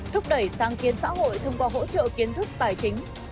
thúc đẩy sáng kiến xã hội thông qua hỗ trợ kiến thức tài chính